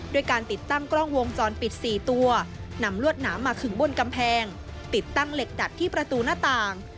ด้วยการติดตั้งกล้องวงจรปิด๔ตัว